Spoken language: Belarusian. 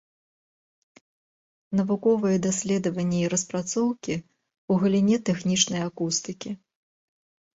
Навуковыя даследаванні і распрацоўкі ў галіне тэхнічнай акустыкі.